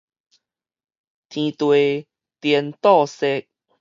天地顛倒踅